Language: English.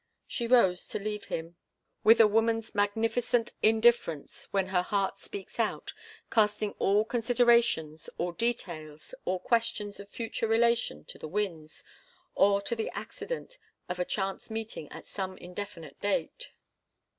She rose to leave him with a woman's magnificent indifference when her heart speaks out, casting all considerations, all details, all questions of future relation to the winds, or to the accident of a chance meeting at some indefinite date.